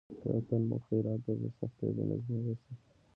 که یو تن ته مو خیرات ورکړ سخت بې نظمي به شي.